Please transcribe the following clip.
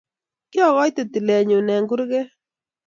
kiokoite tileenyu ang kurkee